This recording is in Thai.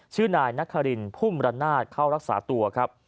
ชื่อนายนครินพุ่มมรนาศเข้ารักษาตัวครับ